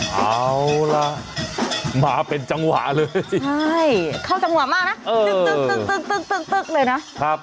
เอาล่ะมาเป็นจังหวะเลยใช่เข้าจังหวะมากนะตึกเลยนะครับ